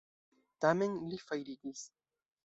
Tamen, li fajrigis.